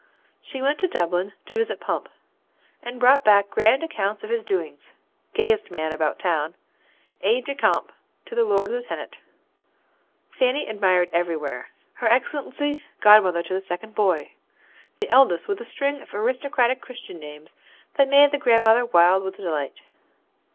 'She went to Dublin to visit Pump, and brought back grand accounts of his doings gayest man about town Aide de Camp to the Lord Lieutenant Fanny admired everywhere Her Excellency godmother to the second boy: the eldest with a string of aristocratic Christian names that made the grandmother wild with delight.